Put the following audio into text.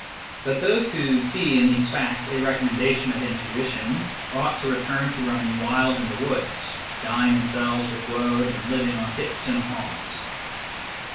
But those who see in these facts a recom mendation of intuition ought to return to running wild in the woods, dyeing themselves with woad and living on hips and haws.